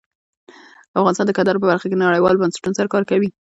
افغانستان د کندهار په برخه کې نړیوالو بنسټونو سره کار کوي.